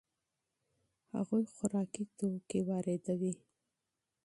هغوی خوراکي توکي واردوي.